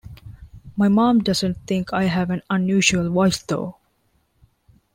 My mom doesn't think I have an unusual voice, though.